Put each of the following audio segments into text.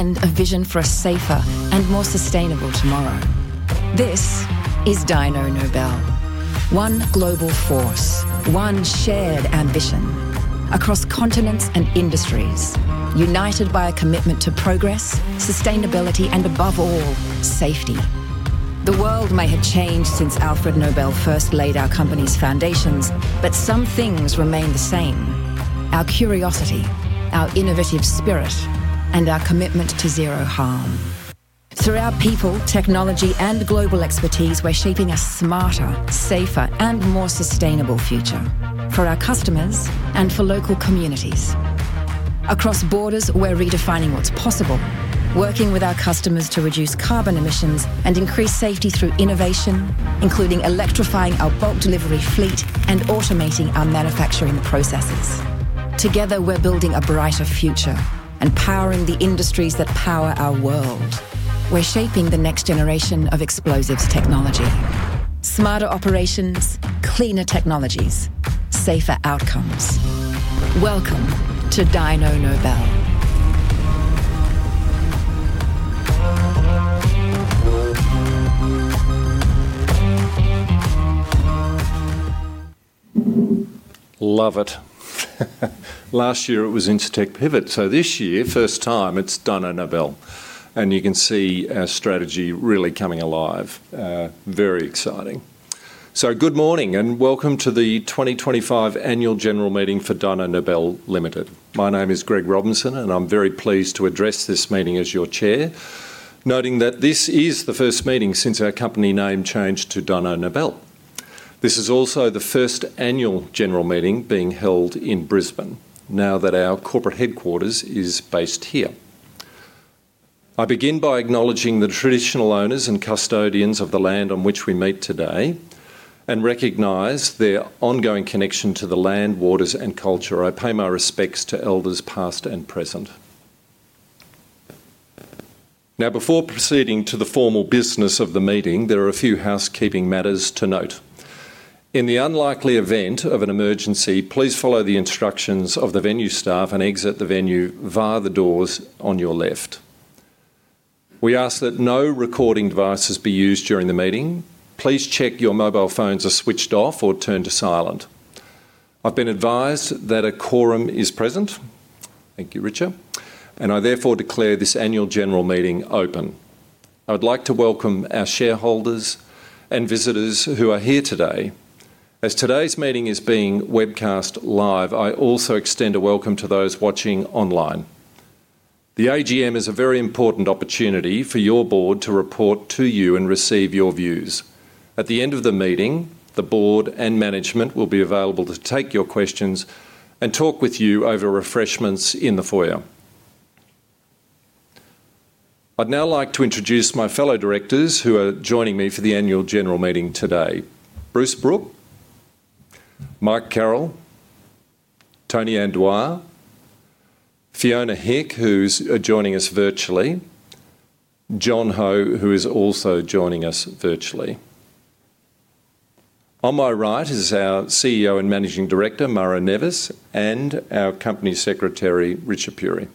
A vision for a safer and more sustainable tomorrow. This is Dyno Nobel. One global force, one shared ambition, across continents and industries, united by a commitment to progress, sustainability, and above all, safety. The world may have changed since Alfred Nobel first laid our company's foundations, but some things remain the same: our curiosity, our innovative spirit, and our commitment to zero harm. Through our people, technology, and global expertise, we're shaping a smarter, safer, and more sustainable future for our customers and for local communities. Across borders, we're redefining what's possible, working with our customers to reduce carbon emissions and increase safety through innovation, including electrifying our bulk delivery fleet and automating our manufacturing processes. Together, we're building a brighter future and powering the industries that power our world. We're shaping the next generation of explosives technology: smarter operations, cleaner technologies, safer outcomes. Welcome to Dyno Nobel. Love it. Last year, it was Incitec Pivot, so this year, first time, it's Dyno Nobel, and you can see our strategy really coming alive. Very exciting. So good morning and welcome to the 2025 Annual General Meeting for Dyno Nobel Limited. My name is Greg Robinson, and I'm very pleased to address this meeting as your chair, noting that this is the first meeting since our company name changed to Dyno Nobel. This is also the first Annual General Meeting being held in Brisbane, now that our corporate headquarters is based here. I begin by acknowledging the traditional owners and custodians of the land on which we meet today and recognize their ongoing connection to the land, waters, and culture. I pay my respects to elders past and present. Now, before proceeding to the formal business of the meeting, there are a few housekeeping matters to note. In the unlikely event of an emergency, please follow the instructions of the venue staff and exit the venue via the doors on your left. We ask that no recording devices be used during the meeting. Please check your mobile phones are switched off or turned to silent. I've been advised that a quorum is present. Thank you, Richard. I therefore declare this Annual General Meeting open. I would like to welcome our shareholders and visitors who are here today. As today's meeting is being webcast live, I also extend a welcome to those watching online. The AGM is a very important opportunity for your Board to report to you and receive your views. At the end of the meeting, the Board and management will be available to take your questions and talk with you over refreshments in the foyer. I'd now like to introduce my fellow directors who are joining me for the Annual General Meeting today: Bruce Brook, Mike Carroll, Tonianne Dwyer, Fiona Hick, who's joining us virtually, John Ho, who is also joining us virtually. On my right is our CEO and Managing Director, Mauro Neves, and our company secretary, Richa Puri.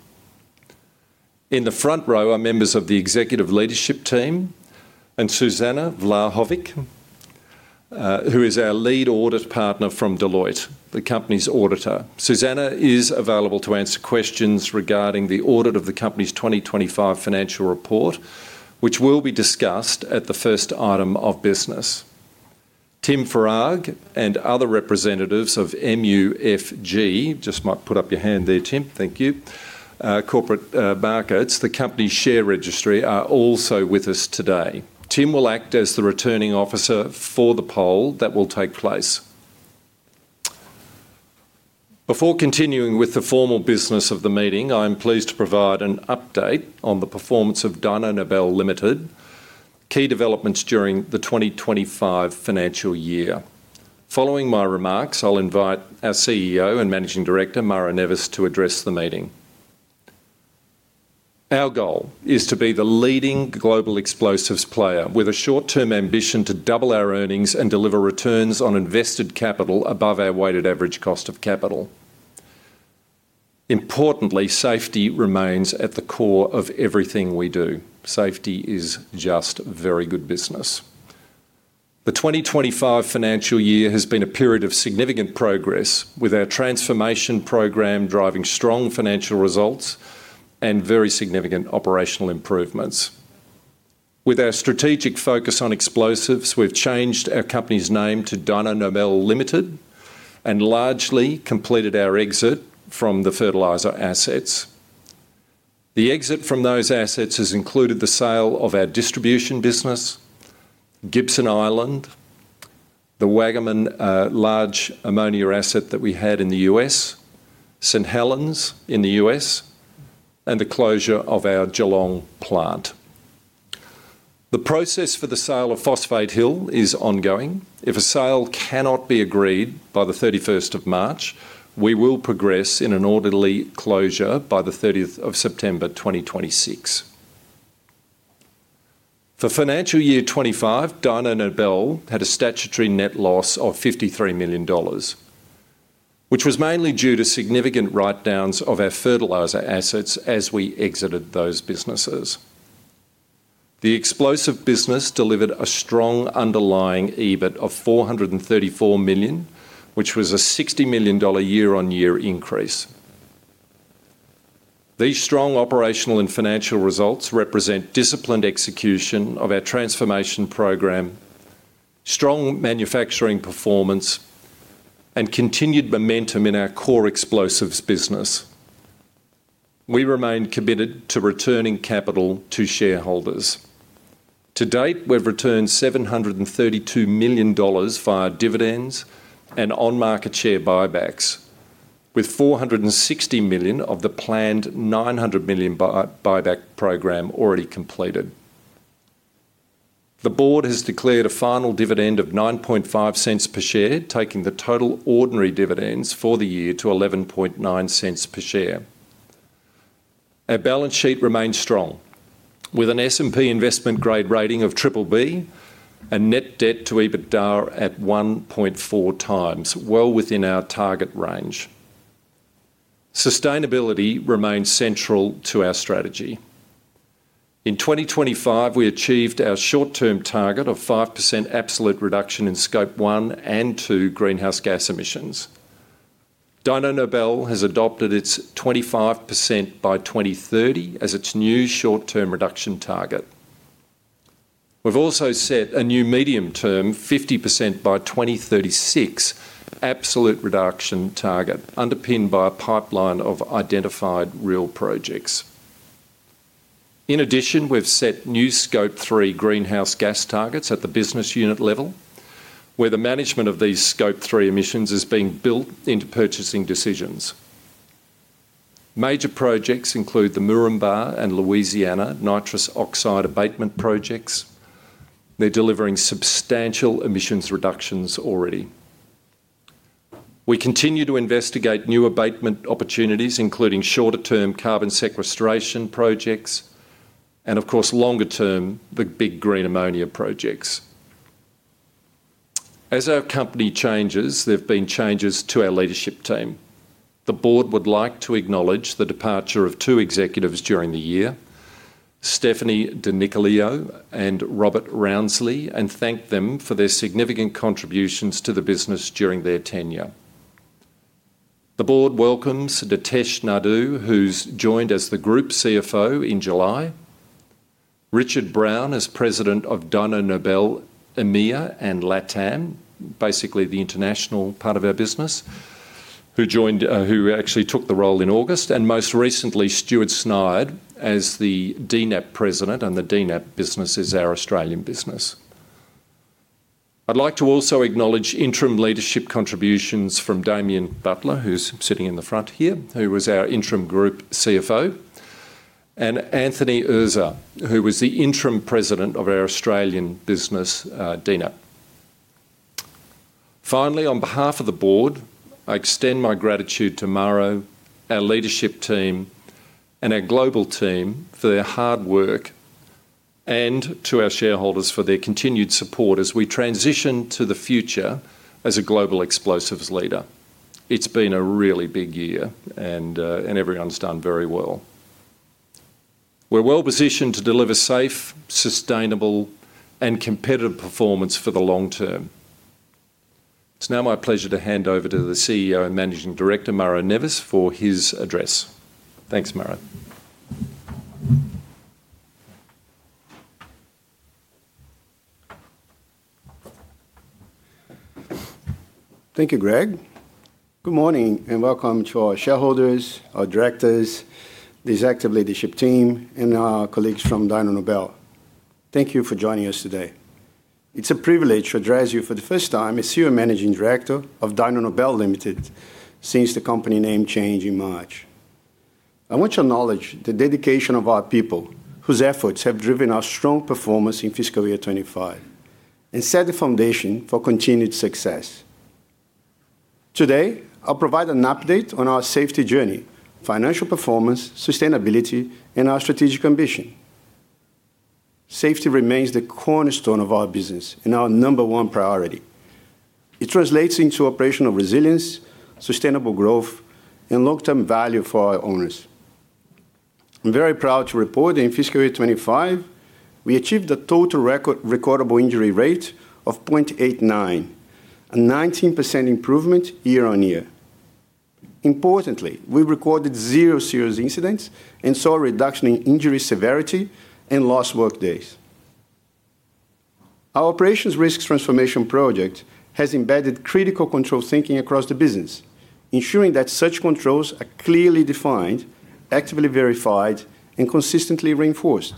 In the front row are members of the Executive Leadership Team and Suzana Vlahovic, who is our lead audit partner from Deloitte, the company's auditor. Suzana is available to answer questions regarding the audit of the company's 2025 financial report, which will be discussed at the first item of business. Tim Farag and other representatives of MUFG just might put up your hand there, Tim. Thank you. MUFG Corporate Markets, the company's share registry, are also with us today. Tim will act as the returning officer for the poll that will take place. Before continuing with the formal business of the meeting, I'm pleased to provide an update on the performance of Dyno Nobel Limited and key developments during the 2025 financial year. Following my remarks, I'll invite our CEO and Managing Director, Mauro Neves, to address the meeting. Our goal is to be the leading global explosives player with a short-term ambition to double our earnings and deliver returns on invested capital above our weighted average cost of capital. Importantly, safety remains at the core of everything we do. Safety is just very good business. The 2025 financial year has been a period of significant progress, with our transformation program driving strong financial results and very significant operational improvements. With our strategic focus on explosives, we've changed our company's name to Dyno Nobel Limited and largely completed our exit from the fertilizer assets. The exit from those assets has included the sale of our distribution business, Gibson Island, the Waggaman large ammonia asset that we had in the U.S., St. Helens in the U.S., and the closure of our Geelong plant. The process for the sale of Phosphate Hill is ongoing. If a sale cannot be agreed by the 31st of March, we will progress in an orderly closure by the 30th of September 2026. For financial year 2025, Dyno Nobel had a statutory net loss of 53 million dollars, which was mainly due to significant write-downs of our fertilizer assets as we exited those businesses. The explosive business delivered a strong underlying EBIT of 434 million, which was a 60 million dollar year-on-year increase. These strong operational and financial results represent disciplined execution of our transformation program, strong manufacturing performance, and continued momentum in our core explosives business. We remain committed to returning capital to shareholders. To date, we've returned 732 million dollars via dividends and on-market share buybacks, with 460 million of the planned 900 million buyback program already completed. The Board has declared a final dividend of 0.95 per share, taking the total ordinary dividends for the year to 11.90 per share. Our balance sheet remains strong, with an S&P Investment Grade rating of BBB and net debt to EBITDA at 1.4 times, well within our target range. Sustainability remains central to our strategy. In 2025, we achieved our short-term target of 5% absolute reduction in Scope 1 and 2 greenhouse gas emissions. Dyno Nobel has adopted its 25% by 2030 as its new short-term reduction target. We've also set a new medium-term 50% by 2036 absolute reduction target, underpinned by a pipeline of identified real projects. In addition, we've set new Scope 3 greenhouse gas targets at the business unit level, where the management of these Scope 3 emissions is being built into purchasing decisions. Major projects include the Moranbah and Louisiana, Missouri nitrous oxide abatement projects. They're delivering substantial emissions reductions already. We continue to investigate new abatement opportunities, including shorter-term carbon sequestration projects and, of course, longer-term, the big green ammonia projects. As our company changes, there have been changes to our leadership team. The Board would like to acknowledge the departure of two executives during the year, Stephanie De Nicola and Robert Rounsefell, and thank them for their significant contributions to the business during their tenure. The Board welcomes Ditesh Naidu, who's joined as the Group CFO in July, Richard Brown as President of Dyno Nobel EMEA and LATAM, basically the international part of our business, who actually took the role in August, and most recently, Stuart Sneyd as the DNAP President, and the DNAP business is our Australian business. I'd like to also acknowledge interim leadership contributions from Damien Butler, who's sitting in the front here, who was our interim Group CFO, and Anthony Urso, who was the interim President of our Australian business, DNAP. Finally, on behalf of the Board, I extend my gratitude to Mauro, our leadership team, and our global team for their hard work, and to our shareholders for their continued support as we transition to the future as a global explosives leader. It's been a really big year, and everyone's done very well. We're well positioned to deliver safe, sustainable, and competitive performance for the long term. It's now my pleasure to hand over to the CEO and Managing Director, Mauro Neves, for his address. Thanks, Mauro. Thank you, Greg. Good morning and welcome to our shareholders, our directors, this active leadership team, and our colleagues from Dyno Nobel. Thank you for joining us today. It's a privilege to address you for the first time as CEO and Managing Director of Dyno Nobel Limited since the company name change in March. I want to acknowledge the dedication of our people, whose efforts have driven our strong performance in fiscal year 2025 and set the foundation for continued success. Today, I'll provide an update on our safety journey, financial performance, sustainability, and our strategic ambition. Safety remains the cornerstone of our business and our number one priority. It translates into operational resilience, sustainable growth, and long-term value for our owners. I'm very proud to report that in fiscal year 2025, we achieved a total recordable injury rate of 0.89, a 19% improvement year-on-year. Importantly, we recorded zero serious incidents and saw a reduction in injury severity and lost workdays. Our Operations Risks Transformation Project has embedded critical control thinking across the business, ensuring that such controls are clearly defined, actively verified, and consistently reinforced.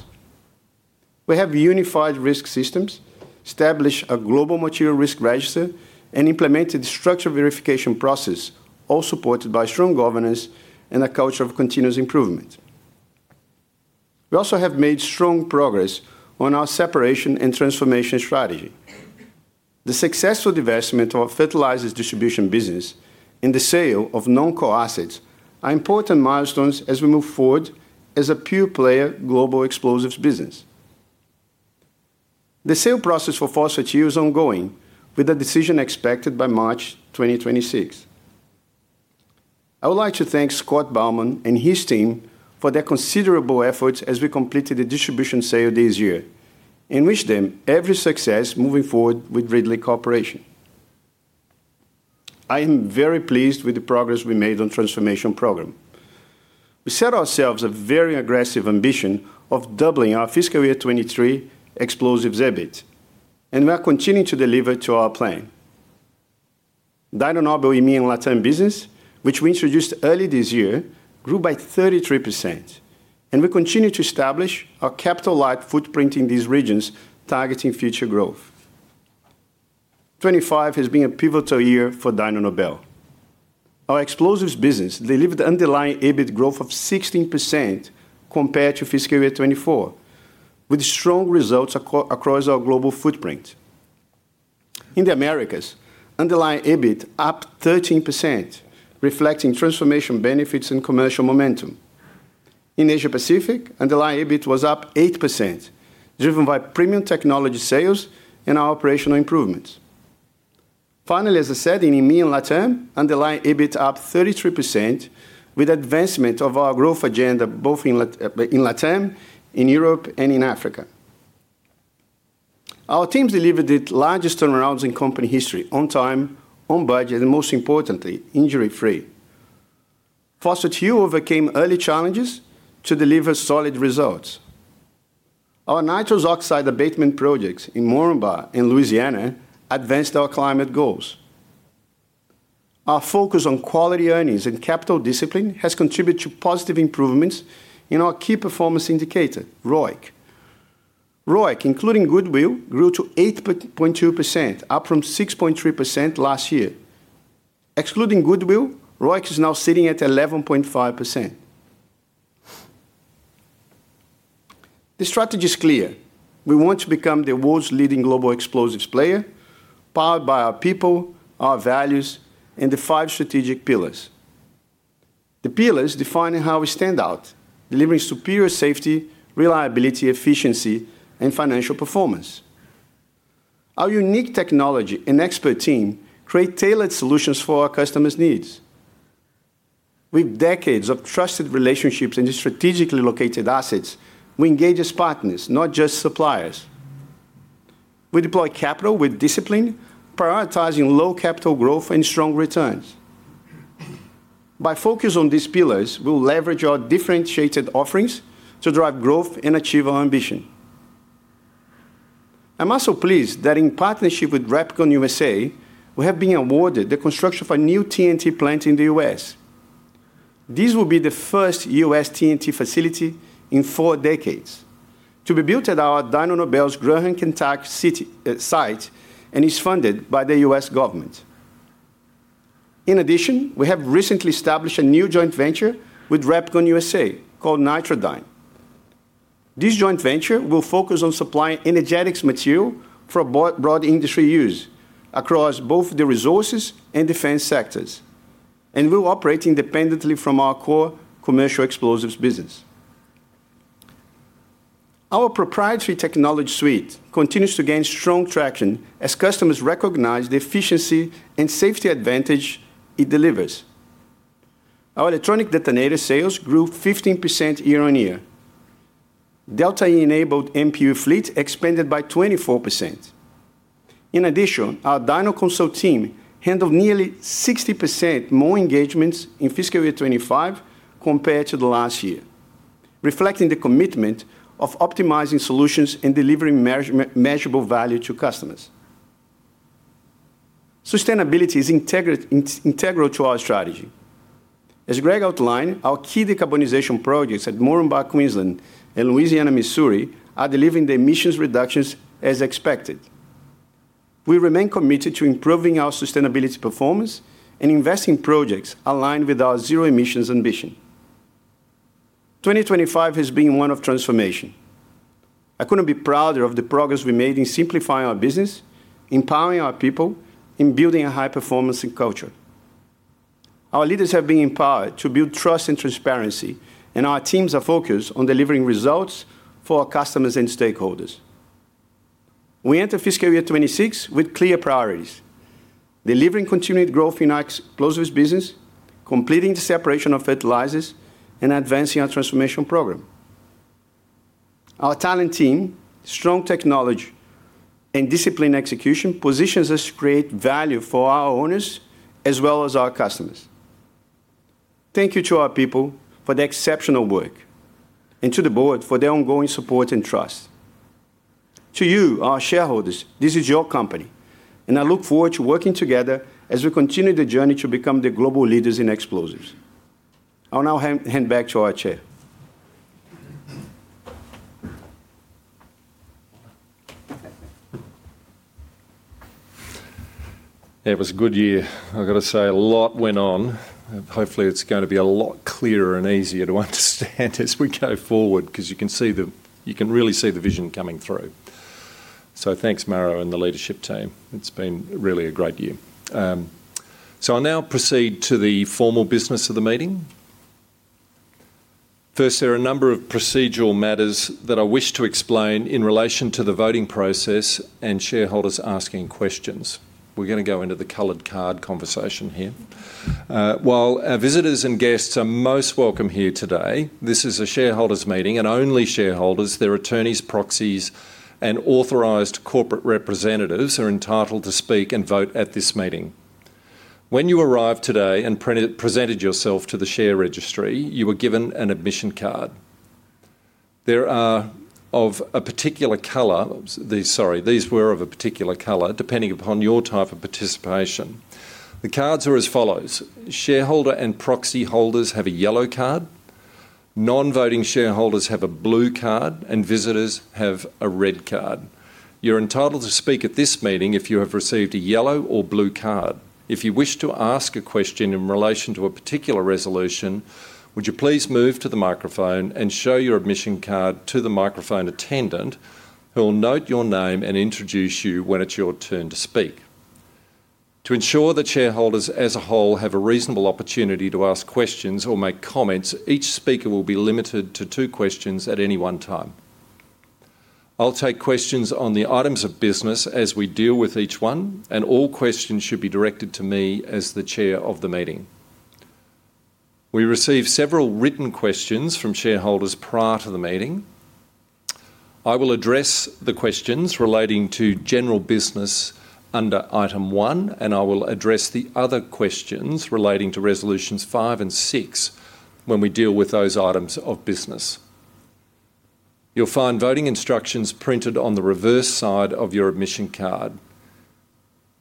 We have unified risk systems, established a global material risk register, and implemented a structured verification process, all supported by strong governance and a culture of continuous improvement. We also have made strong progress on our separation and transformation strategy. The successful divestment of our fertilizers distribution business and the sale of non-core assets are important milestones as we move forward as a pure-player global explosives business. The sale process for Phosphate Hill is ongoing, with a decision expected by March 2026. I would like to thank Scott Baumann and his team for their considerable efforts as we completed the distribution sale this year. I wish them every success moving forward with Ridley Corporation. I am very pleased with the progress we made on the transformation program. We set ourselves a very aggressive ambition of doubling our fiscal year '23 explosives EBIT, and we are continuing to deliver to our plan. Dyno Nobel EMEA and LATAM business, which we introduced early this year, grew by 33%, and we continue to establish our capital-like footprint in these regions, targeting future growth. '25 has been a pivotal year for Dyno Nobel. Our explosives business delivered underlying EBIT growth of 16% compared to fiscal year '24, with strong results across our global footprint. In the Americas, underlying EBIT up 13%, reflecting transformation benefits and commercial momentum. In Asia-Pacific, underlying EBIT was up 8%, driven by premium technology sales and our operational improvements. Finally, as I said, in EMEA and LATAM, underlying EBIT up 33%, with advancement of our growth agenda both in LATAM, in Europe, and in Africa. Our teams delivered the largest turnarounds in company history on time, on budget, and most importantly, injury-free. Phosphate Hill overcame early challenges to deliver solid results. Our nitrous oxide abatement projects in Moranbah and Louisiana advanced our climate goals. Our focus on quality earnings and capital discipline has contributed to positive improvements in our key performance indicator, ROIC. ROIC, including Goodwill, grew to 8.2%, up from 6.3% last year. Excluding Goodwill, ROIC is now sitting at 11.5%. The strategy is clear. We want to become the world's leading global explosives player, powered by our people, our values, and the five strategic pillars. The pillars define how we stand out, delivering superior safety, reliability, efficiency, and financial performance. Our unique technology and expert team create tailored solutions for our customers' needs. With decades of trusted relationships and strategically located assets, we engage as partners, not just suppliers. We deploy capital with discipline, prioritizing low capital growth and strong returns. By focusing on these pillars, we'll leverage our differentiated offerings to drive growth and achieve our ambition. I'm also pleased that in partnership with Repkon USA, we have been awarded the construction of a new TNT plant in the U.S. This will be the first U.S. TNT facility in four decades to be built at our Dyno Nobel's Graham, Kentucky site, and it's funded by the U.S. government. In addition, we have recently established a new joint venture with Repkon USA called Nitrodyn. This joint venture will focus on supplying energetics material for broad industry use across both the resources and defense sectors, and we'll operate independently from our core commercial explosives business. Our proprietary technology suite continues to gain strong traction as customers recognize the efficiency and safety advantage it delivers. Our electronic detonator sales grew 15% year-on-year. DeltaE-enabled MPU fleet expanded by 24%. In addition, our DynoConsult team handled nearly 60% more engagements in fiscal year 2025 compared to the last year, reflecting the commitment of optimizing solutions and delivering measurable value to customers. Sustainability is integral to our strategy. As Greg outlined, our key decarbonization projects at Moranbah, Queensland, and Louisiana, Missouri are delivering the emissions reductions as expected. We remain committed to improving our sustainability performance and investing in projects aligned with our zero emissions ambition. 2025 has been one of transformation. I couldn't be prouder of the progress we made in simplifying our business, empowering our people, and building a high-performance culture. Our leaders have been empowered to build trust and transparency, and our teams are focused on delivering results for our customers and stakeholders. We enter fiscal year 2026 with clear priorities: delivering continued growth in our explosives business, completing the separation of fertilizers, and advancing our transformation program. Our talent team, strong technology, and disciplined execution position us to create value for our owners as well as our customers. Thank you to our people for the exceptional work, and to the Board for their ongoing support and trust. To you, our shareholders, this is your company, and I look forward to working together as we continue the journey to become the global leaders in explosives. I'll now hand back to our chair. It was a good year. I've got to say, a lot went on. Hopefully, it's going to be a lot clearer and easier to understand as we go forward because you can really see the vision coming through. So thanks, Mauro, and the leadership team. It's been really a great year. So I'll now proceed to the formal business of the meeting. First, there are a number of procedural matters that I wish to explain in relation to the voting process and shareholders asking questions. We're going to go into the colored card conversation here. While our visitors and guests are most welcome here today, this is a shareholders meeting, and only shareholders, their attorneys, proxies, and authorized corporate representatives are entitled to speak and vote at this meeting. When you arrived today and presented yourself to the share registry, you were given an admission card. There are of a particular color, sorry, these were of a particular color depending upon your type of participation. The cards are as follows. Shareholder and proxy holders have a yellow card. Non-voting shareholders have a blue card, and visitors have a red card. You're entitled to speak at this meeting if you have received a yellow or blue card. If you wish to ask a question in relation to a particular resolution, would you please move to the microphone and show your admission card to the microphone attendant, who will note your name and introduce you when it's your turn to speak. To ensure that shareholders as a whole have a reasonable opportunity to ask questions or make comments, each speaker will be limited to two questions at any one time. I'll take questions on the items of business as we deal with each one, and all questions should be directed to me as the Chair of the meeting. We received several written questions from shareholders prior to the meeting. I will address the questions relating to general business under item one, and I will address the other questions relating to resolutions five and six when we deal with those items of business. You'll find voting instructions printed on the reverse side of your admission card.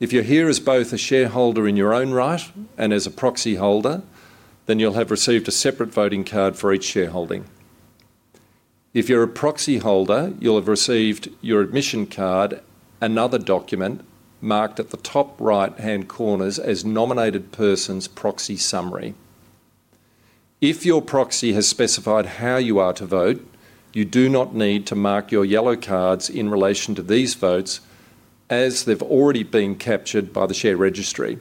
If you're here as both a shareholder in your own right and as a proxy holder, then you'll have received a separate voting card for each shareholding. If you're a proxy holder, you'll have received your admission card, another document marked at the top right-hand corners as nominated person's proxy summary. If your proxy has specified how you are to vote, you do not need to mark your yellow cards in relation to these votes as they've already been captured by the share registry.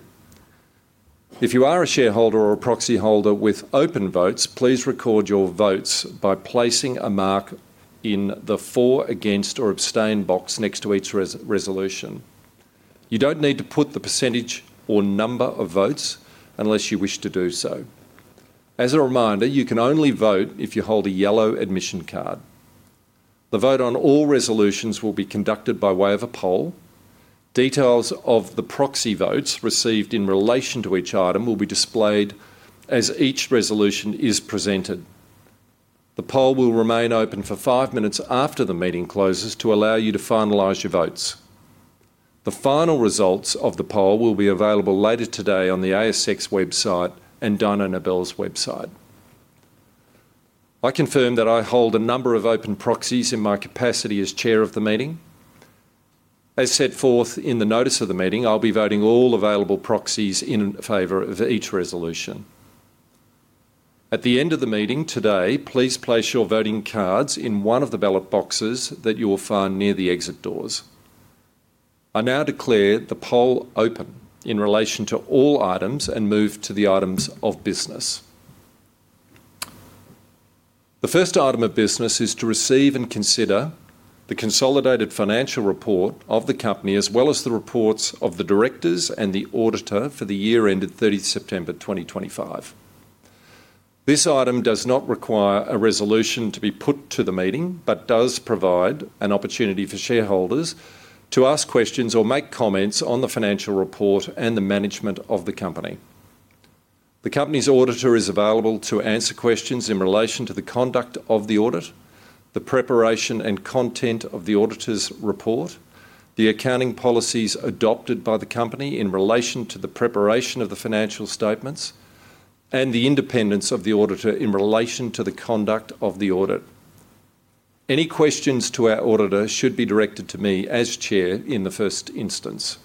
If you are a shareholder or a proxy holder with open votes, please record your votes by placing a mark in the for, against, or abstain box next to each resolution. You don't need to put the percentage or number of votes unless you wish to do so. As a reminder, you can only vote if you hold a yellow admission card. The vote on all resolutions will be conducted by way of a poll. Details of the proxy votes received in relation to each item will be displayed as each resolution is presented. The poll will remain open for five minutes after the meeting closes to allow you to finalize your votes. The final results of the poll will be available later today on the ASX website and Dyno Nobel's website. I confirm that I hold a number of open proxies in my capacity as chair of the meeting. As set forth in the notice of the meeting, I'll be voting all available proxies in favor of each resolution. At the end of the meeting today, please place your voting cards in one of the ballot boxes that you will find near the exit doors. I now declare the poll open in relation to all items and move to the items of business. The first item of business is to receive and consider the consolidated financial report of the company as well as the reports of the directors and the auditor for the year ended 30 September 2025. This item does not require a resolution to be put to the meeting but does provide an opportunity for shareholders to ask questions or make comments on the financial report and the management of the company. The company's auditor is available to answer questions in relation to the conduct of the audit, the preparation and content of the auditor's report, the accounting policies adopted by the company in relation to the preparation of the financial statements, and the independence of the auditor in relation to the conduct of the audit. Any questions to our auditor should be directed to me as chair in the first instance.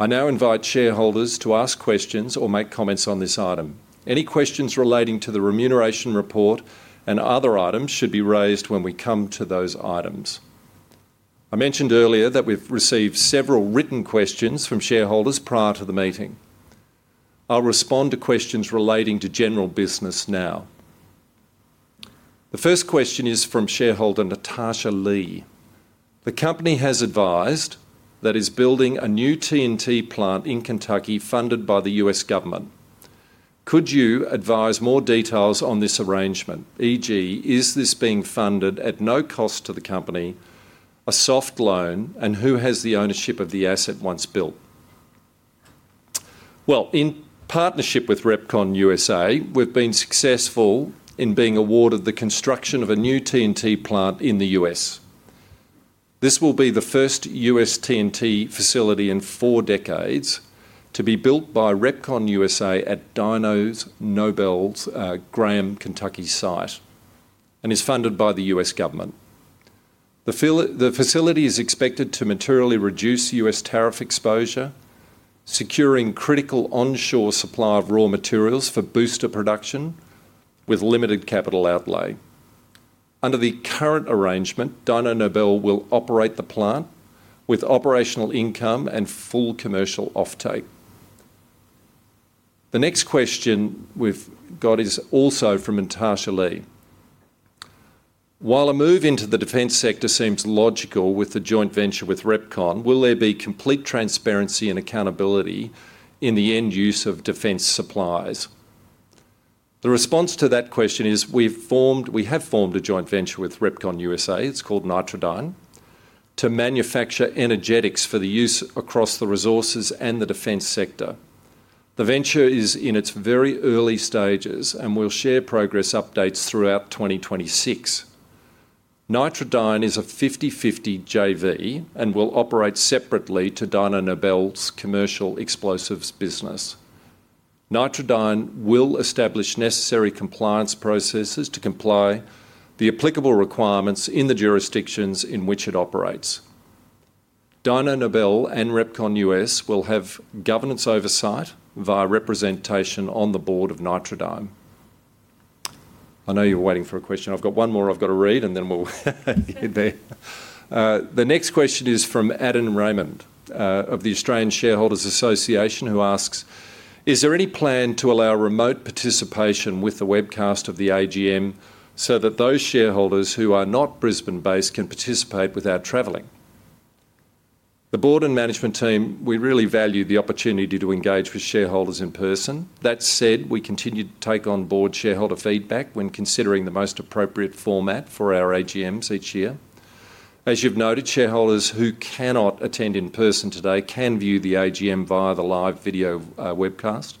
I now invite shareholders to ask questions or make comments on this item. Any questions relating to the remuneration report and other items should be raised when we come to those items. I mentioned earlier that we've received several written questions from shareholders prior to the meeting. I'll respond to questions relating to general business now. The first question is from shareholder Natasha Lee. The company has advised that it's building a new TNT plant in Kentucky funded by the U.S. government. Could you advise more details on this arrangement, e.g., is this being funded at no cost to the company, a soft loan, and who has the ownership of the asset once built? Well, in partnership with Repkon USA, we've been successful in being awarded the construction of a new TNT plant in the U.S. This will be the first U.S. TNT facility in four decades to be built by Repkon USA at Dyno Nobel's Graham, Kentucky site and is funded by the U.S. government. The facility is expected to materially reduce US tariff exposure, securing critical onshore supply of raw materials for booster production with limited capital outlay. Under the current arrangement, Dyno Nobel will operate the plant with operational income and full commercial offtake. The next question we've got is also from Natasha Lee. While a move into the defense sector seems logical with the joint venture with Repkon, will there be complete transparency and accountability in the end use of defense supplies? The response to that question is we have formed a joint venture with Repkon USA. It's called Nitrodyn to manufacture energetics for the use across the resources and the defense sector. The venture is in its very early stages and will share progress updates throughout 2026. Nitrodyn is a 50/50 JV and will operate separately to Dyno Nobel's commercial explosives business. Nitrodyn will establish necessary compliance processes to comply with the applicable requirements in the jurisdictions in which it operates. Dyno Nobel and Repkon USA will have governance oversight via representation on the Board of Nitrodyn. I know you're waiting for a question. I've got one more I've got to read, and then we'll get there. The next question is from Adam Raymond of the Australian Shareholders’ Association, who asks, "Is there any plan to allow remote participation with the webcast of the AGM so that those shareholders who are not Brisbane-based can participate without traveling?" The Board and management team, we really value the opportunity to engage with shareholders in person. That said, we continue to take on Board shareholder feedback when considering the most appropriate format for our AGMs each year. As you've noted, shareholders who cannot attend in person today can view the AGM via the live video webcast,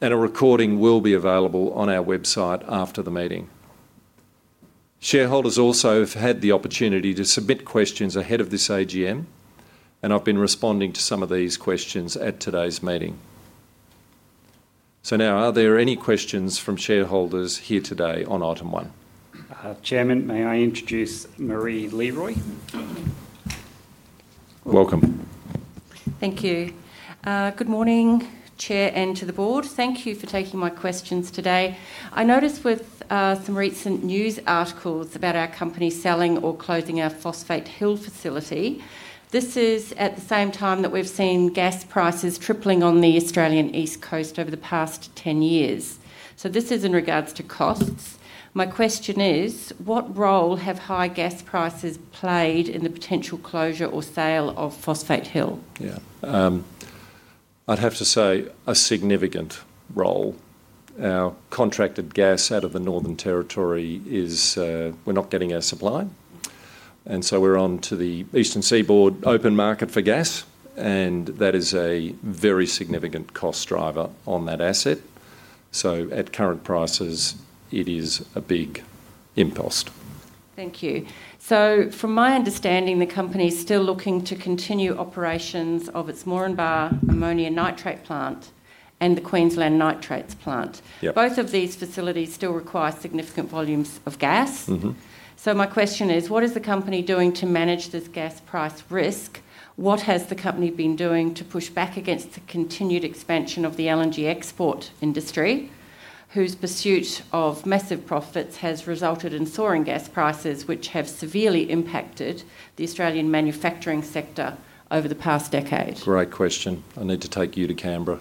and a recording will be available on our website after the meeting. Shareholders also have had the opportunity to submit questions ahead of this AGM, and I've been responding to some of these questions at today's meeting. So now, are there any questions from shareholders here today on item one? Chairman, may I introduce Marie Leroy? Welcome. Thank you. Good morning, Chair and to the Board. Thank you for taking my questions today. I noticed with some recent news articles about our company selling or closing our Phosphate Hill facility. This is at the same time that we've seen gas prices tripling on the Australian East Coast over the past 10 years. So this is in regards to costs. My question is, what role have high gas prices played in the potential closure or sale of Phosphate Hill? Yeah. I'd have to say a significant role. Our contracted gas out of the Northern Territory is we're not getting our supply. And so we're on to the Eastern Seaboard open market for gas, and that is a very significant cost driver on that asset. So at current prices, it is a big impost. Thank you. From my understanding, the company is still looking to continue operations of its Moranbah ammonium nitrate plant and the Queensland Nitrates plant. Both of these facilities still require significant volumes of gas. My question is, what is the company doing to manage this gas price risk? What has the company been doing to push back against the continued expansion of the LNG export industry, whose pursuit of massive profits has resulted in soaring gas prices, which have severely impacted the Australian manufacturing sector over the past decade? Great question. I need to take you to Canberra.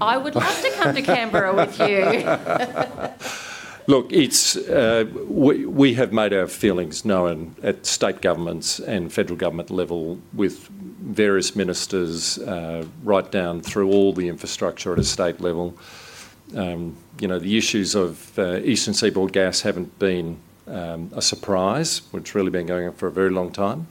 I would love to come to Canberra with you. Look, we have made our feelings known at state governments and federal government level with various ministers right down through all the infrastructure at a state level. The issues of Eastern Seaboard gas haven't been a surprise. It's really been going on for a very long time.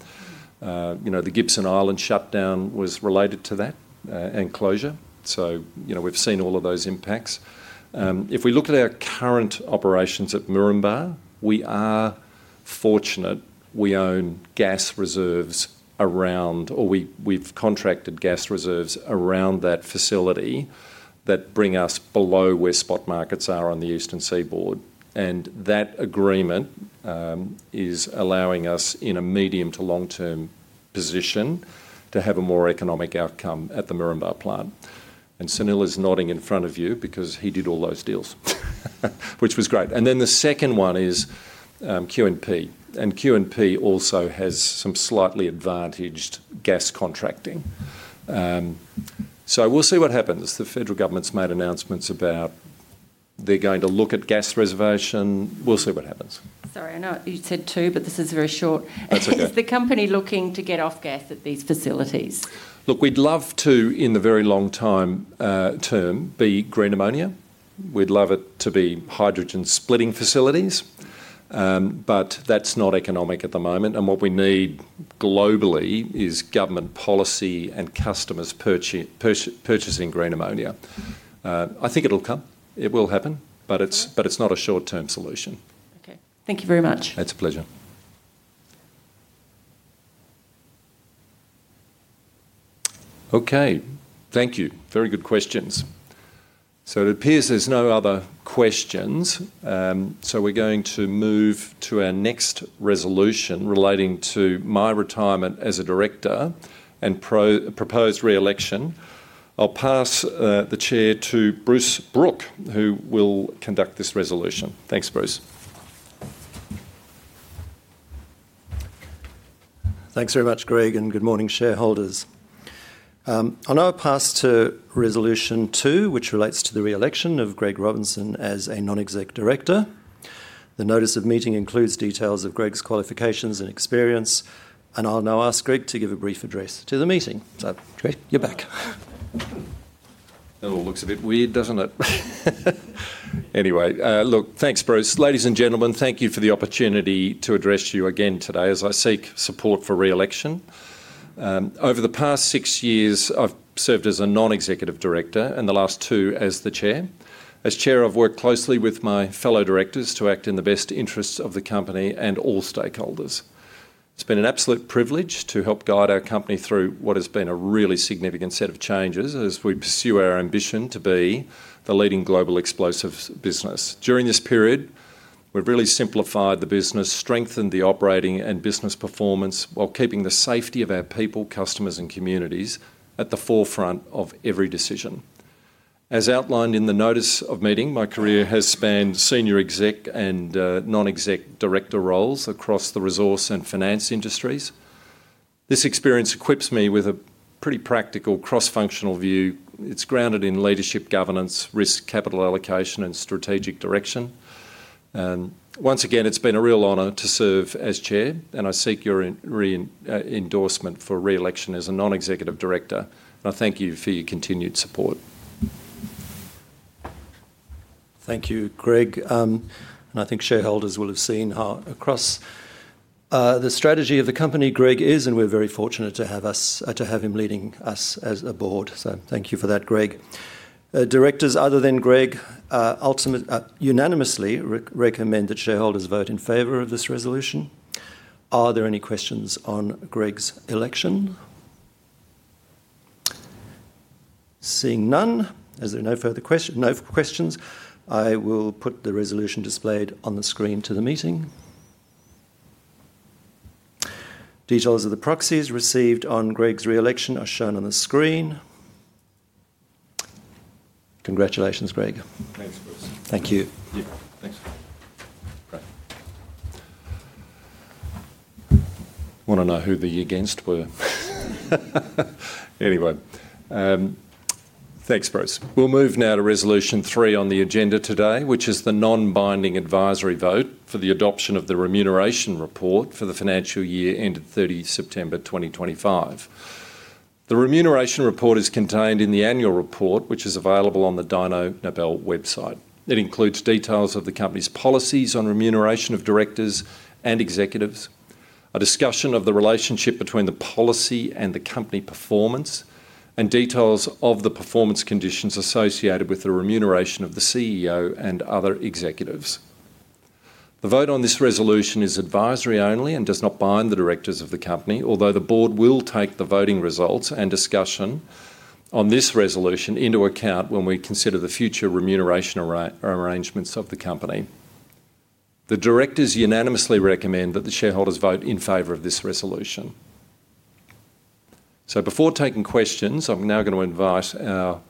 The Gibson Island shutdown was related to that and closure. So we've seen all of those impacts. If we look at our current operations at Moranbah, we are fortunate. We own gas reserves around, or we've contracted gas reserves around that facility that bring us below where spot markets are on the Eastern Seaboard. And that agreement is allowing us in a medium to long-term position to have a more economic outcome at the Moranbah plant. And Sunil is nodding in front of you because he did all those deals, which was great. And then the second one is QPM. QPM also has some slightly advantaged gas contracting. We'll see what happens. The federal government's made announcements about they're going to look at gas reservation. We'll see what happens. Sorry, I know you said two, but this is very short. That's okay. Is the company looking to get off gas at these facilities? Look, we'd love to, in the very long-term, be green ammonia. We'd love it to be hydrogen splitting facilities, but that's not economic at the moment, and what we need globally is government policy and customers purchasing green ammonia. I think it'll come. It will happen, but it's not a short-term solution. Okay. Thank you very much. It's a pleasure. Okay. Thank you. Very good questions. So it appears there's no other questions. So we're going to move to our next resolution relating to my retirement as a director and proposed re-election. I'll pass the chair to Bruce Brook, who will conduct this resolution. Thanks, Bruce. Thanks very much, Greg, and good morning, shareholders. I'll now pass to resolution two, which relates to the re-election of Greg Robinson as a non-exec director. The notice of meeting includes details of Greg's qualifications and experience, and I'll now ask Greg to give a brief address to the meeting. So, Greg, you're back. That all looks a bit weird, doesn't it? Anyway, look, thanks, Bruce. Ladies and gentlemen, thank you for the opportunity to address you again today as I seek support for re-election. Over the past six years, I've served as a non-executive director and the last two as the chair. As chair, I've worked closely with my fellow directors to act in the best interests of the company and all stakeholders. It's been an absolute privilege to help guide our company through what has been a really significant set of changes as we pursue our ambition to be the leading global explosives business. During this period, we've really simplified the business, strengthened the operating and business performance while keeping the safety of our people, customers, and communities at the forefront of every decision. As outlined in the notice of meeting, my career has spanned senior exec and non-exec director roles across the resource and finance industries. This experience equips me with a pretty practical cross-functional view. It's grounded in leadership, governance, risk, capital allocation, and strategic direction. Once again, it's been a real honor to serve as chair, and I seek your re-endorsement for re-election as a non-executive director, and I thank you for your continued support. Thank you, Greg. And I think shareholders will have seen how across the strategy of the company Greg is, and we're very fortunate to have him leading us as a Board. So thank you for that, Greg. Directors other than Greg unanimously recommend that shareholders vote in favor of this resolution. Are there any questions on Greg's election? Seeing none, as there are no further questions, I will put the resolution displayed on the screen to the meeting. Details of the proxies received on Greg's re-election are shown on the screen. Congratulations, Greg. Thanks, Bruce. Thank you. Yeah. Thanks. Want to know who the against were? Anyway, thanks, Bruce. We'll move now to resolution three on the agenda today, which is the non-binding advisory vote for the adoption of the remuneration report for the financial year ended 30 September 2025. The remuneration report is contained in the annual report, which is available on the Dyno Nobel website. It includes details of the company's policies on remuneration of directors and executives, a discussion of the relationship between the policy and the company performance, and details of the performance conditions associated with the remuneration of the CEO and other executives. The vote on this resolution is advisory only and does not bind the directors of the company, although the Board will take the voting results and discussion on this resolution into account when we consider the future remuneration arrangements of the company. The directors unanimously recommend that the shareholders vote in favor of this resolution. Before taking questions, I'm now going to invite our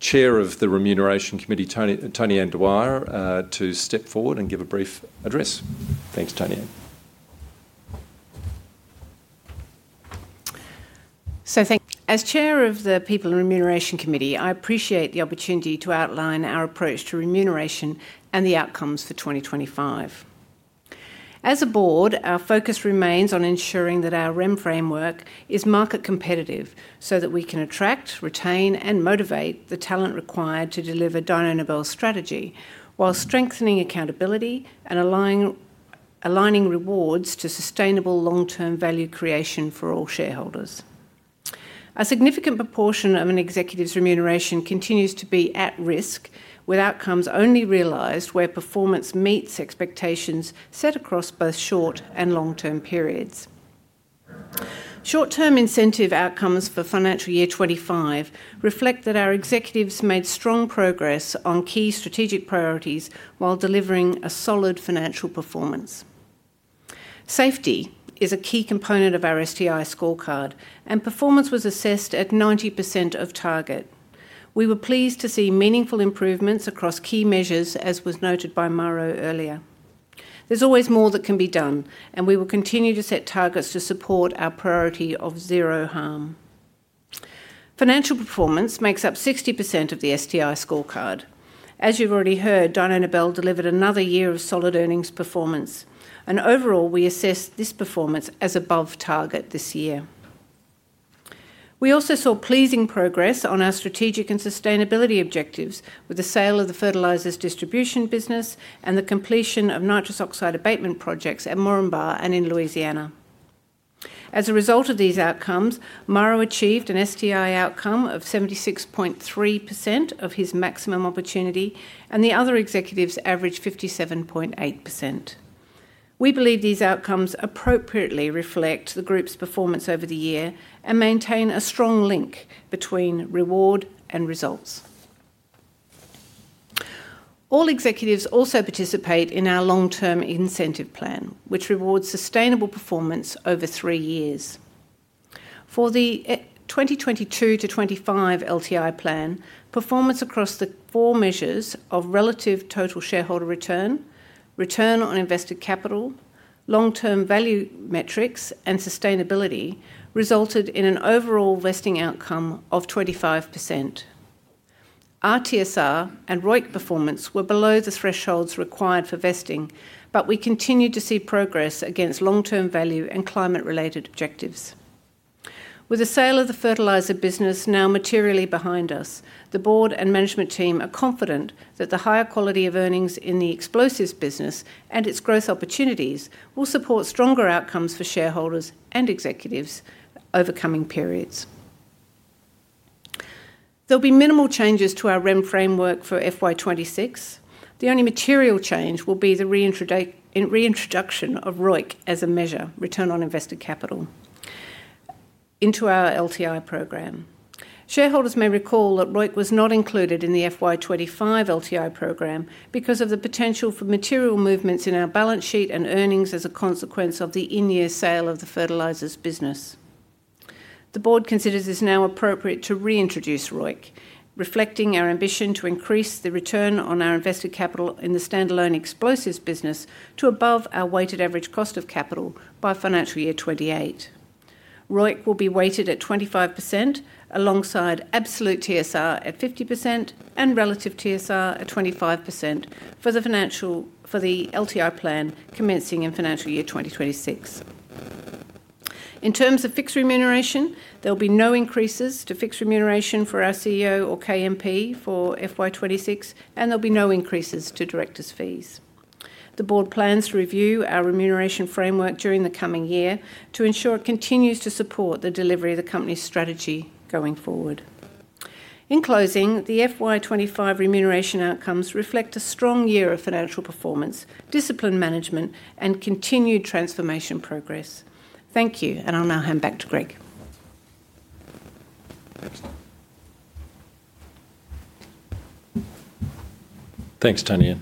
Chair of the Remuneration Committee, Tonianne Dwyer, to step forward and give a brief address. Thanks, Tonianne. As Chair of the People and Remuneration Committee, I appreciate the opportunity to outline our approach to remuneration and the outcomes for 2025. As a Board, our focus remains on ensuring that our Rem framework is market competitive so that we can attract, retain, and motivate the talent required to deliver Dyno Nobel strategy while strengthening accountability and aligning rewards to sustainable long-term value creation for all shareholders. A significant proportion of an executive's remuneration continues to be at risk with outcomes only realized where performance meets expectations set across both short and long-term periods. Short-term incentive outcomes for financial year 2025 reflect that our executives made strong progress on key strategic priorities while delivering a solid financial performance. Safety is a key component of our STI scorecard, and performance was assessed at 90% of target. We were pleased to see meaningful improvements across key measures, as was noted by Mauro earlier. There's always more that can be done, and we will continue to set targets to support our priority of zero harm. Financial performance makes up 60% of the STI scorecard. As you've already heard, Dyno Nobel delivered another year of solid earnings performance, and overall, we assess this performance as above target this year. We also saw pleasing progress on our strategic and sustainability objectives with the sale of the fertilizers distribution business and the completion of nitrous oxide abatement projects at Moranbah and in Louisiana. As a result of these outcomes, Mauro achieved an STI outcome of 76.3% of his maximum opportunity, and the other executives averaged 57.8%. We believe these outcomes appropriately reflect the group's performance over the year and maintain a strong link between reward and results. All executives also participate in our long-term incentive plan, which rewards sustainable performance over three years. For the 2022-2025 LTI plan, performance across the four measures of relative total shareholder return, return on invested capital, long-term value metrics, and sustainability resulted in an overall vesting outcome of 25%. RTSR and ROIC performance were below the thresholds required for vesting, but we continue to see progress against long-term value and climate-related objectives. With the sale of the fertilizer business now materially behind us, the Board and management team are confident that the higher quality of earnings in the explosives business and its growth opportunities will support stronger outcomes for shareholders and executives over coming periods. There'll be minimal changes to our Rem framework for FY26. The only material change will be the reintroduction of ROIC as a measure, return on invested capital, into our LTI program. Shareholders may recall that ROIC was not included in the FY25 LTI program because of the potential for material movements in our balance sheet and earnings as a consequence of the in-year sale of the fertilizers business. The Board considers it is now appropriate to reintroduce ROIC, reflecting our ambition to increase the return on our invested capital in the standalone explosives business to above our weighted average cost of capital by financial year 28. ROIC will be weighted at 25% alongside absolute TSR at 50% and relative TSR at 25% for the LTI plan commencing in financial year 2026. In terms of fixed remuneration, there will be no increases to fixed remuneration for our CEO or KMP for FY26, and there'll be no increases to directors' fees. The Board plans to review our remuneration framework during the coming year to ensure it continues to support the delivery of the company's strategy going forward. In closing, the FY25 remuneration outcomes reflect a strong year of financial performance, discipline management, and continued transformation progress. Thank you, and I'll now hand back to Greg. Thanks, Tony.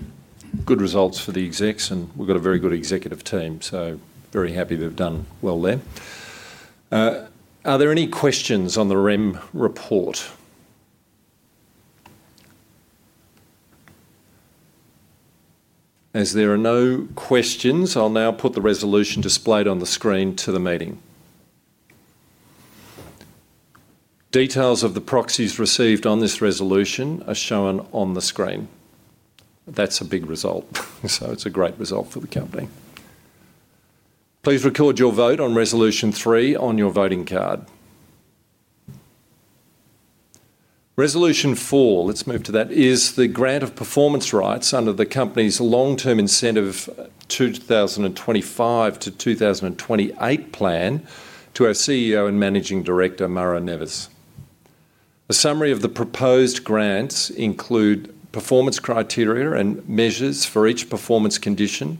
Good results for the execs, and we've got a very good executive team, so very happy they've done well there. Are there any questions on the Rem report? As there are no questions, I'll now put the resolution displayed on the screen to the meeting. Details of the proxies received on this resolution are shown on the screen. That's a big result, so it's a great result for the company. Please record your vote on resolution three on your voting card. Resolution four, let's move to that, is the grant of performance rights under the company's long-term incentive 2025 to 2028 plan to our CEO and Managing Director, Mauro Neves. A summary of the proposed grants includes performance criteria and measures for each performance condition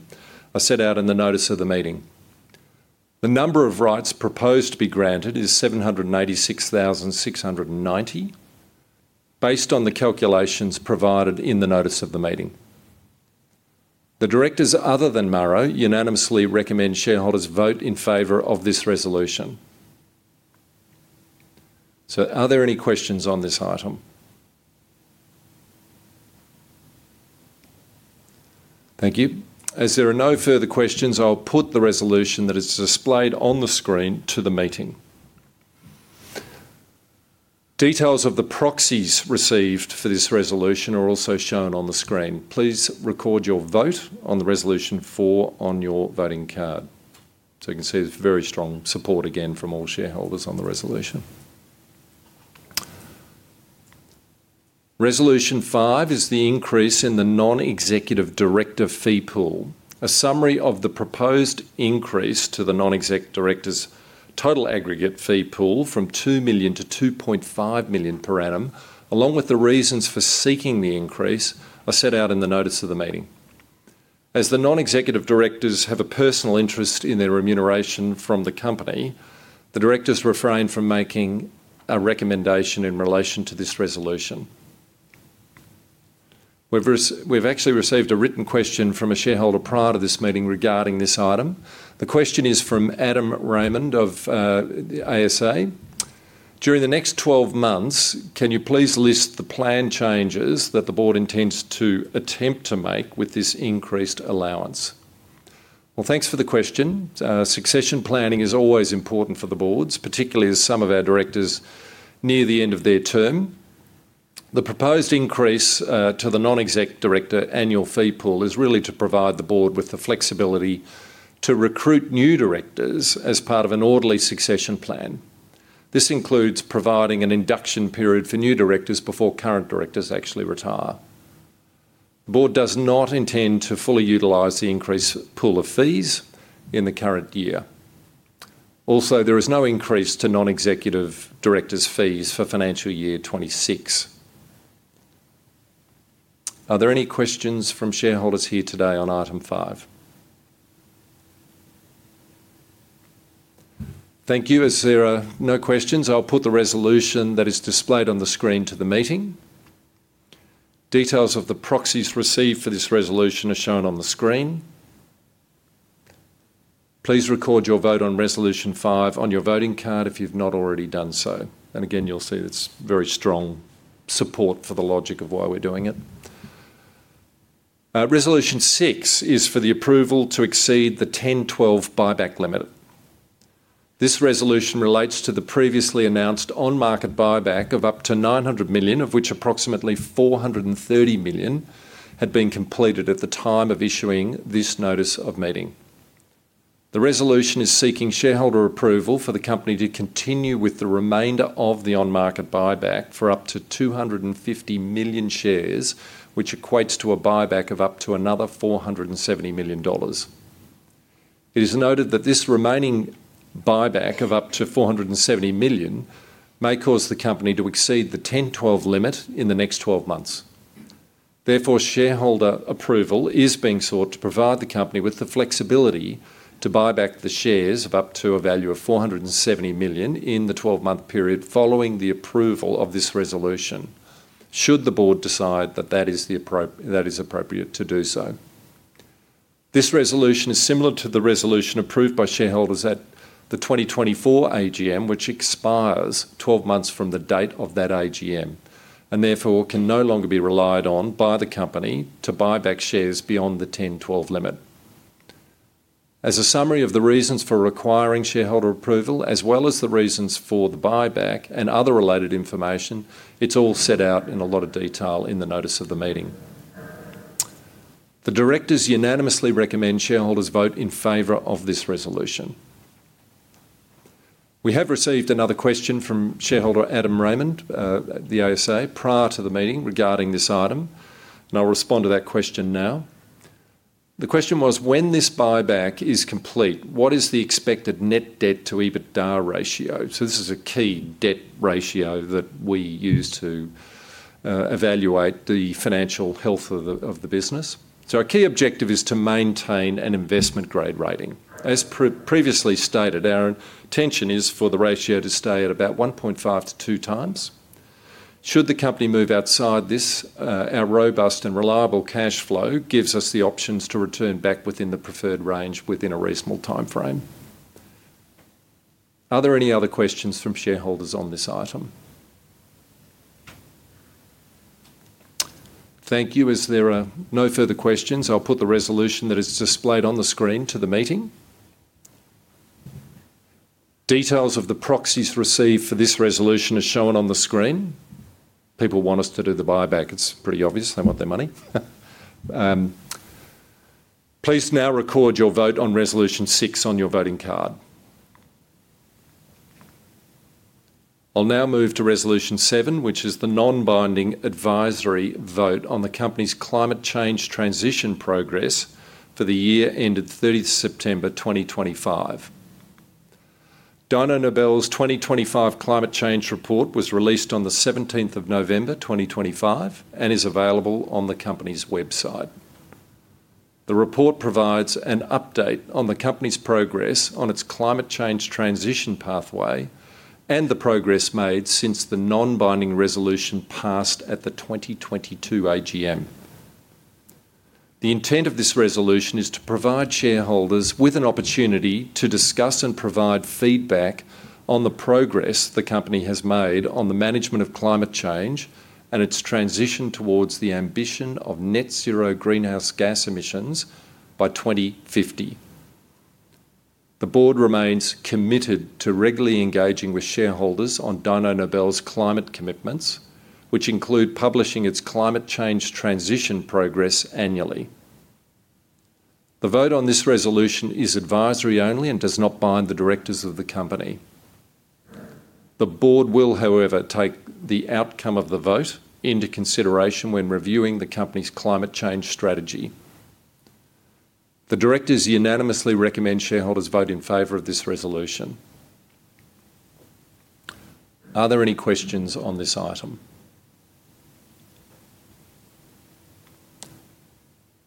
set out in the notice of the meeting. The number of rights proposed to be granted is 786,690 based on the calculations provided in the notice of the meeting. The directors other than Mauro unanimously recommend shareholders vote in favor of this resolution. So are there any questions on this item? Thank you. As there are no further questions, I'll put the resolution that is displayed on the screen to the meeting. Details of the proxies received for this resolution are also shown on the screen. Please record your vote on the resolution four on your voting card. So you can see there's very strong support again from all shareholders on the resolution. Resolution five is the increase in the non-executive director fee pool. A summary of the proposed increase to the non-executive directors' total aggregate fee pool from 2 million to 2.5 million per annum, along with the reasons for seeking the increase, are set out in the notice of the meeting. As the non-executive directors have a personal interest in their remuneration from the company, the directors refrain from making a recommendation in relation to this resolution. We've actually received a written question from a shareholder prior to this meeting regarding this item. The question is from Adam Raymond of ASA. During the next 12 months, can you please list the plan changes that the Board intends to attempt to make with this increased allowance? Well, thanks for the question. Succession planning is always important for the Boards, particularly as some of our directors near the end of their term. The proposed increase to the non-exec director annual fee pool is really to provide the Board with the flexibility to recruit new directors as part of an orderly succession plan. This includes providing an induction period for new directors before current directors actually retire. The Board does not intend to fully utilize the increased pool of fees in the current year. Also, there is no increase to non-executive directors' fees for financial year 26. Are there any questions from shareholders here today on item five? Thank you. As there are no questions, I'll put the resolution that is displayed on the screen to the meeting. Details of the proxies received for this resolution are shown on the screen. Please record your vote on resolution five on your voting card if you've not already done so. And again, you'll see there's very strong support for the logic of why we're doing it. Resolution six is for the approval to exceed the 10/12 buyback limit. This resolution relates to the previously announced on-market buyback of up to 900 million, of which approximately 430 million had been completed at the time of issuing this notice of meeting. The resolution is seeking shareholder approval for the company to continue with the remainder of the on-market buyback for up to 250 million shares, which equates to a buyback of up to another 470 million dollars. It is noted that this remaining buyback of up to 470 million may cause the company to exceed the 10/12 limit in the next 12 months. Therefore, shareholder approval is being sought to provide the company with the flexibility to buy back the shares of up to a value of 470 million in the 12-month period following the approval of this resolution, should the Board decide that that is appropriate to do so. This resolution is similar to the resolution approved by shareholders at the 2024 AGM, which expires 12 months from the date of that AGM, and therefore can no longer be relied on by the company to buy back shares beyond the 10/12 limit. As a summary of the reasons for requiring shareholder approval, as well as the reasons for the buyback and other related information, it's all set out in a lot of detail in the notice of the meeting. The directors unanimously recommend shareholders vote in favor of this resolution. We have received another question from shareholder Adam Raymond, the ASA, prior to the meeting regarding this item, and I'll respond to that question now. The question was, when this buyback is complete, what is the expected net debt to EBITDA ratio? So this is a key debt ratio that we use to evaluate the financial health of the business. So our key objective is to maintain an investment-grade rating. As previously stated, our intention is for the ratio to stay at about 1.5-2 times. Should the company move outside this, our robust and reliable cash flow gives us the options to return back within the preferred range within a reasonable timeframe. Are there any other questions from shareholders on this item? Thank you. As there are no further questions, I'll put the resolution that is displayed on the screen to the meeting. Details of the proxies received for this resolution are shown on the screen. People want us to do the buyback. It's pretty obvious they want their money. Please now record your vote on resolution six on your voting card. I'll now move to resolution seven, which is the non-binding advisory vote on the company's climate change transition progress for the year ended 30th September 2025. Dyno Nobel's 2025 climate change report was released on the 17th of November 2025 and is available on the company's website. The report provides an update on the company's progress on its climate change transition pathway and the progress made since the non-binding resolution passed at the 2022 AGM. The intent of this resolution is to provide shareholders with an opportunity to discuss and provide feedback on the progress the company has made on the management of climate change and its transition towards the ambition of net zero greenhouse gas emissions by 2050. The Board remains committed to regularly engaging with shareholders on Dyno Nobel's climate commitments, which include publishing its climate change transition progress annually. The vote on this resolution is advisory only and does not bind the directors of the company. The Board will, however, take the outcome of the vote into consideration when reviewing the company's climate change strategy. The directors unanimously recommend shareholders vote in favor of this resolution. Are there any questions on this item?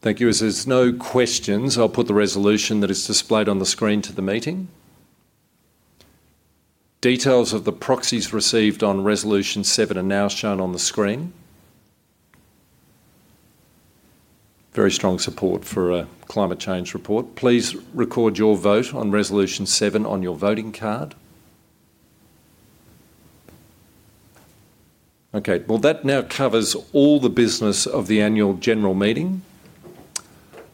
Thank you. As there's no questions, I'll put the resolution that is displayed on the screen to the meeting. Details of the proxies received on resolution seven are now shown on the screen. Very strong support for a climate change report. Please record your vote on resolution seven on your voting card. Okay. Well, that now covers all the business of the Annual General Meeting.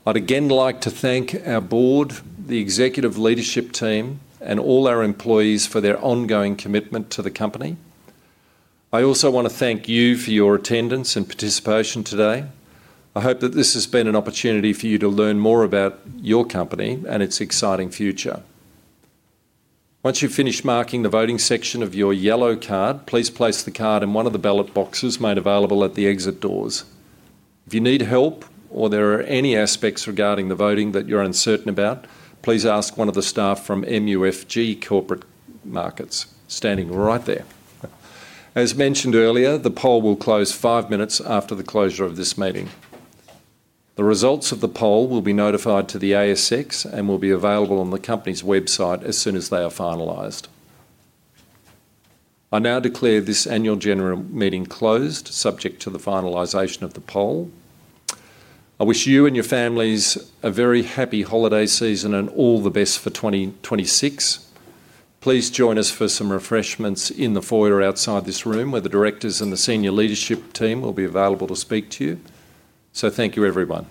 I'd again like to thank our Board, the Executive Leadership Team, and all our employees for their ongoing commitment to the company. I also want to thank you for your attendance and participation today. I hope that this has been an opportunity for you to learn more about your company and its exciting future. Once you've finished marking the voting section of your yellow card, please place the card in one of the ballot boxes made available at the exit doors. If you need help or there are any aspects regarding the voting that you're uncertain about, please ask one of the staff from MUFG Corporate Markets standing right there. As mentioned earlier, the poll will close five minutes after the closure of this meeting. The results of the poll will be notified to the ASX and will be available on the company's website as soon as they are finalized. I now declare this Annual General Meeting closed, subject to the finalization of the poll. I wish you and your families a very happy holiday season and all the best for 2026. Please join us for some refreshments in the foyer outside this room where the directors and the Senior Leadership Team will be available to speak to you. So thank you, everyone.